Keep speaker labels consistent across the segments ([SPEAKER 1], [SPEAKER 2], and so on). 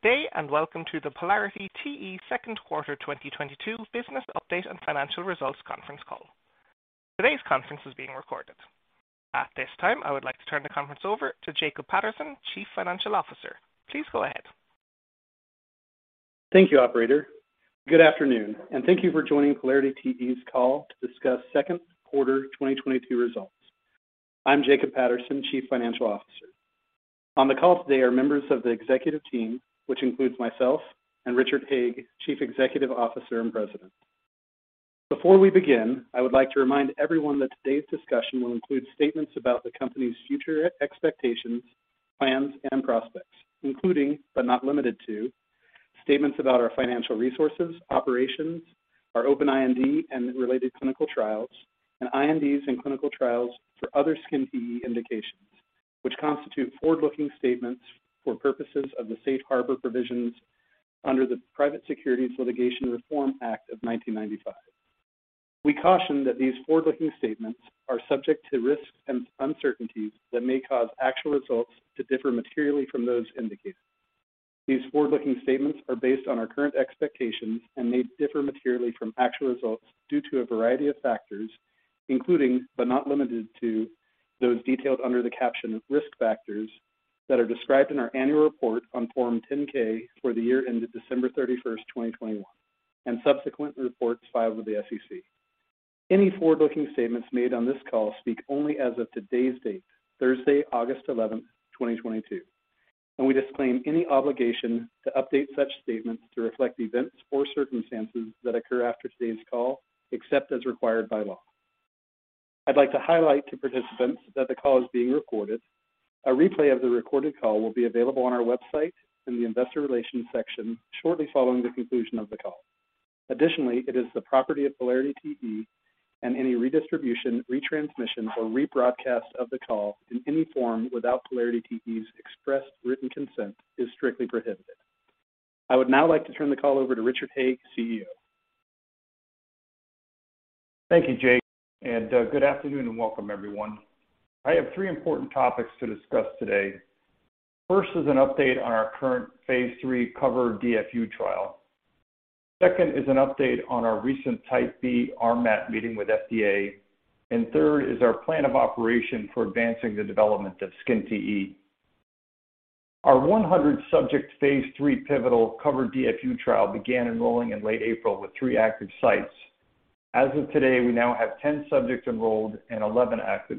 [SPEAKER 1] Good day, and welcome to the PolarityTE Second Quarter 2022 Business Update and Financial Results conference call. Today's conference is being recorded. At this time, I would like to turn the conference over to Jacob Patterson, Chief Financial Officer. Please go ahead.
[SPEAKER 2] Thank you, operator. Good afternoon, and thank you for joining PolarityTE's call to discuss second quarter 2022 results. I'm Jacob Patterson, Chief Financial Officer. On the call today are members of the executive team, which includes myself and Richard Hague, Chief Executive Officer and President. Before we begin, I would like to remind everyone that today's discussion will include statements about the company's future expectations, plans, and prospects, including, but not limited to, statements about our financial resources, operations, our open IND and related clinical trials, and INDs and clinical trials for other SkinTE indications, which constitute forward-looking statements for purposes of the safe harbor provisions under the Private Securities Litigation Reform Act of 1995. We caution that these forward-looking statements are subject to risks and uncertainties that may cause actual results to differ materially from those indicated. These forward-looking statements are based on our current expectations and may differ materially from actual results due to a variety of factors, including, but not limited to, those detailed under the caption Risk Factors that are described in our annual report on Form 10-K for the year ended December 31st, 2021, and subsequent reports filed with the SEC. Any forward-looking statements made on this call speak only as of today's date, Thursday, August 11th, 2022, and we disclaim any obligation to update such statements to reflect events or circumstances that occur after today's call, except as required by law. I'd like to highlight to participants that the call is being recorded. A replay of the recorded call will be available on our website in the investor relations section shortly following the conclusion of the call. Additionally, it is the property of PolarityTE, and any redistribution, retransmission, or rebroadcast of the call in any form without PolarityTE's express written consent is strictly prohibited. I would now like to turn the call over to Richard Hague, CEO.
[SPEAKER 3] Thank you, Jake, and good afternoon and welcome everyone. I have three important topics to discuss today. First is an update on our current phase III COVER DFUS trial. Second is an update on our recent Type B RMAT meeting with FDA. Third is our plan of operation for advancing the development of SkinTE. Our 100-subject phase III pivotal COVER DFUS trial began enrolling in late April with three active sites. As of today, we now have 10 subjects enrolled and 11 active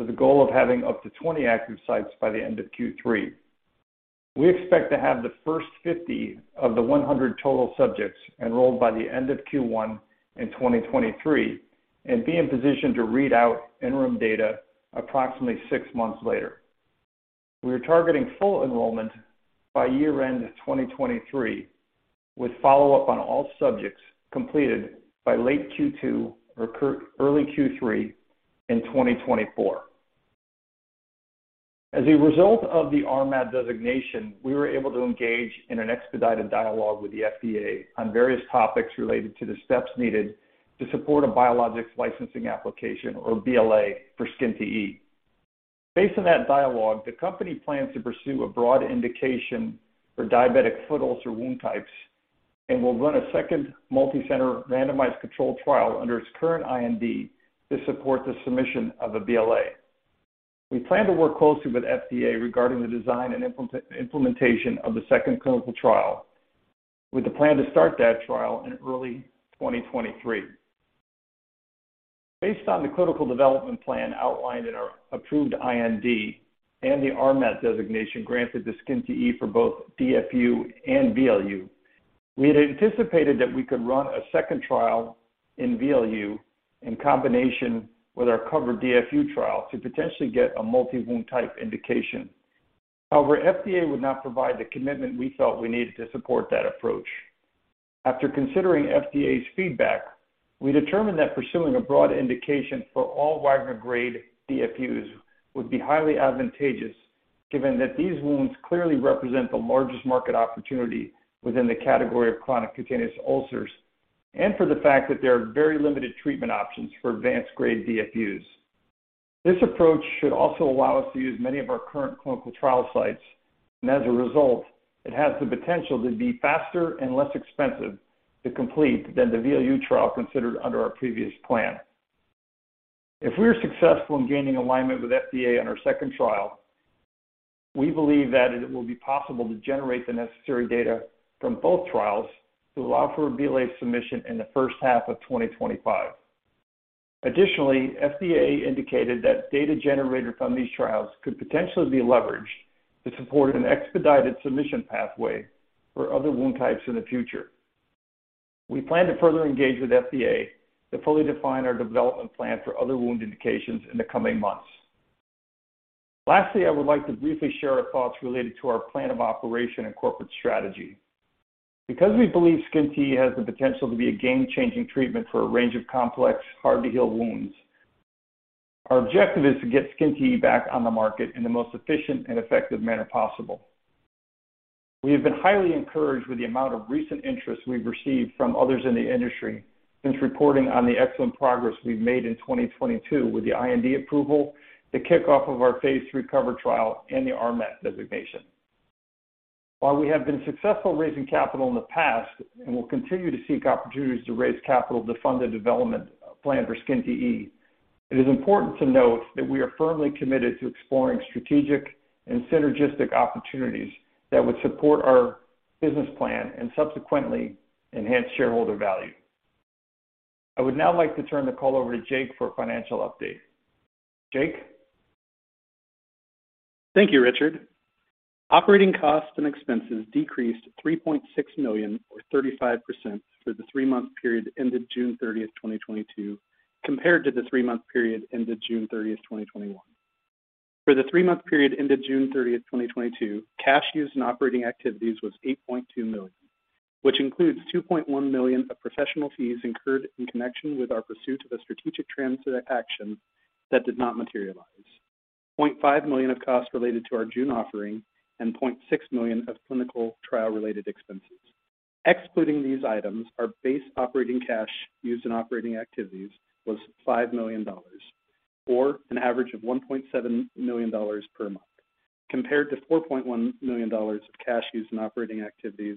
[SPEAKER 3] sites, with a goal of having up to 20 active sites by the end of Q3. We expect to have the first 50 of the 100 total subjects enrolled by the end of Q1 in 2023 and be in position to read out interim data approximately six months later. We are targeting full enrollment by year-end 2023, with follow-up on all subjects completed by late Q2 or early Q3 in 2024. As a result of the RMAT designation, we were able to engage in an expedited dialogue with the FDA on various topics related to the steps needed to support a biologics licensing application or BLA for SkinTE. Based on that dialogue, the company plans to pursue a broad indication for diabetic foot ulcer wound types and will run a second multicenter randomized controlled trial under its current IND to support the submission of a BLA. We plan to work closely with FDA regarding the design and implementation of the second clinical trial, with the plan to start that trial in early 2023. Based on the clinical development plan outlined in our approved IND and the RMAT designation granted to SkinTE for both DFU and VLU, we had anticipated that we could run a second trial in VLU in combination with our COVER DFUS trial to potentially get a multi-wound type indication. However, FDA would not provide the commitment we felt we needed to support that approach. After considering FDA's feedback, we determined that pursuing a broad indication for all Wagner grade DFUs would be highly advantageous, given that these wounds clearly represent the largest market opportunity within the category of chronic cutaneous ulcers and for the fact that there are very limited treatment options for advanced grade DFUs. This approach should also allow us to use many of our current clinical trial sites, and as a result, it has the potential to be faster and less expensive to complete than the VLU trial considered under our previous plan. If we are successful in gaining alignment with FDA on our second trial, we believe that it will be possible to generate the necessary data from both trials to allow for a BLA submission in the first half of 2025. Additionally, FDA indicated that data generated from these trials could potentially be leveraged to support an expedited submission pathway for other wound types in the future. We plan to further engage with FDA to fully define our development plan for other wound indications in the coming months. Lastly, I would like to briefly share our thoughts related to our plan of operation and corporate strategy. Because we believe SkinTE has the potential to be a game-changing treatment for a range of complex, hard-to-heal wounds, our objective is to get SkinTE back on the market in the most efficient and effective manner possible. We have been highly encouraged with the amount of recent interest we've received from others in the industry since reporting on the excellent progress we've made in 2022 with the IND approval, the kickoff of our phase III COVER trial, and the RMAT designation. While we have been successful raising capital in the past and will continue to seek opportunities to raise capital to fund the development plan for SkinTE, it is important to note that we are firmly committed to exploring strategic and synergistic opportunities that would support our business plan and subsequently enhance shareholder value. I would now like to turn the call over to Jake for a financial update. Jake?
[SPEAKER 2] Thank you, Richard. Operating costs and expenses decreased $3.6 million or 35% for the three-month period ended June 30th, 2022, compared to the three-month period ended June 30th, 2021. For the three-month period ended June 30th, 2022, cash used in operating activities was $8.2 million, which includes $2.1 million of professional fees incurred in connection with our pursuit of a strategic transaction that did not materialize. $0.5 million of costs related to our June offering and $0.6 million of clinical trial related expenses. Excluding these items, our base operating cash used in operating activities was $5 million or an average of $1.7 million per month, compared to $4.1 million of cash used in operating activities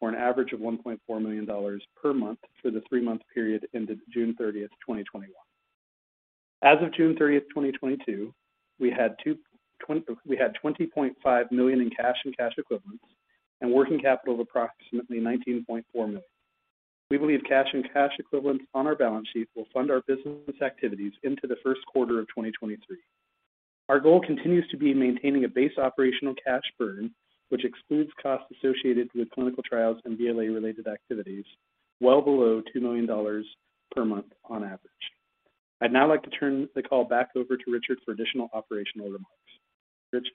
[SPEAKER 2] or an average of $1.4 million per month for the three-month period ended June 30th, 2021. As of June 30th, 2022, we had $20.5 million in cash and cash equivalents and working capital of approximately $19.4 million. We believe cash and cash equivalents on our balance sheet will fund our business activities into the first quarter of 2023. Our goal continues to be maintaining a base operational cash burn, which excludes costs associated with clinical trials and BLA-related activities well below $2 million per month on average. I'd now like to turn the call back over to Richard for additional operational remarks. Richard?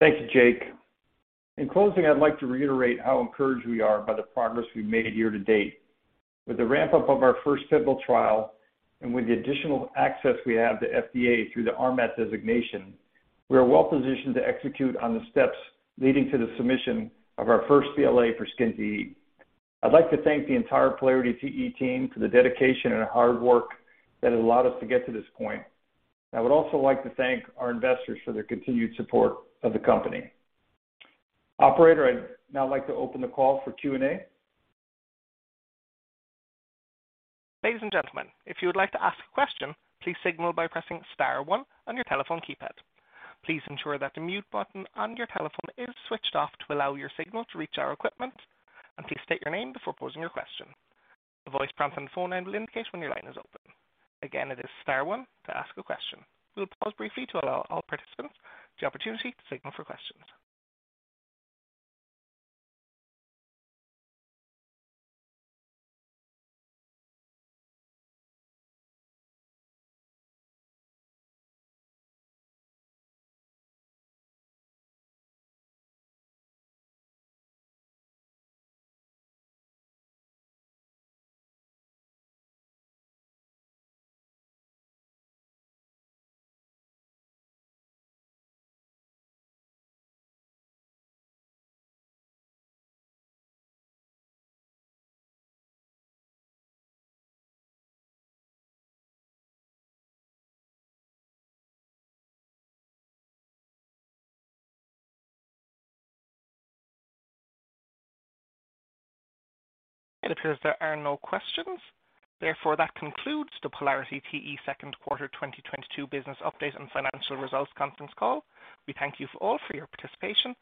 [SPEAKER 3] Thank you, Jake. In closing, I'd like to reiterate how encouraged we are by the progress we've made year to date. With the ramp-up of our first pivotal trial and with the additional access we have to FDA through the RMAT designation, we are well positioned to execute on the steps leading to the submission of our first BLA for SkinTE. I'd like to thank the entire PolarityTE team for the dedication and hard work that has allowed us to get to this point. I would also like to thank our investors for their continued support of the company. Operator, I'd now like to open the call for Q&A.
[SPEAKER 1] Ladies and gentlemen, if you would like to ask a question, please signal by pressing star one on your telephone keypad. Please ensure that the mute button on your telephone is switched off to allow your signal to reach our equipment, and please state your name before posing your question. A voice prompt on the phone line will indicate when your line is open. Again, it is star one to ask a question. We'll pause briefly to allow all participants the opportunity to signal for questions. It appears there are no questions. Therefore, that concludes the PolarityTE second quarter 2022 business update and financial results conference call. We thank you all for your participation.